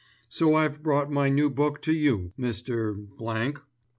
So I've brought my new book to you, Mr. Blank."